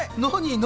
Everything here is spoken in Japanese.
何？